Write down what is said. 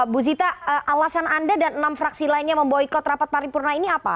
bu zita alasan anda dan enam fraksi lainnya memboykot rapat paripurna ini apa